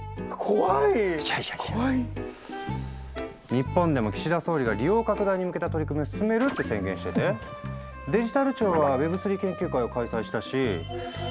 日本でも岸田総理が「利用拡大に向けた取り組みを進める」って宣言しててデジタル庁は「Ｗｅｂ３研究会」を開催したしＷｅｂ